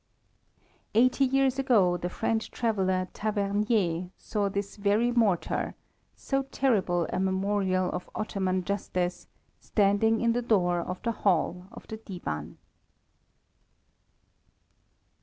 Eighty years ago the French traveller Tavernier saw this very mortar, so terrible a memorial of Ottoman justice, standing in the door of the Hall of the Divan.